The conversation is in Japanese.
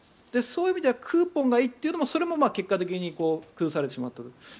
そういう意味ではクーポンがいいというのもそれも結果的に崩されてしまったと。